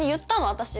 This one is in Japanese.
私。